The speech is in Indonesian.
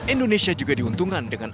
indonesia juga diuntungkan dengan